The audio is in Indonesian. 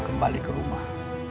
kembali ke rumah